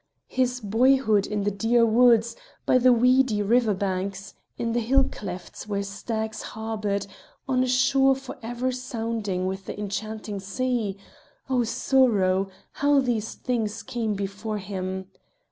His boyhood in the dear woods, by the weedy river banks, in the hill clefts where stags harboured, on a shore for ever sounding with the enchanting sea oh, sorrow! how these things came before him.